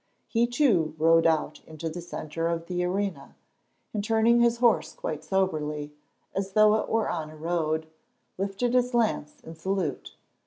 He, too, rode out into the centre of the arena, and, turning his horse quite soberly, as though it were on a road, lifted his lance in salute.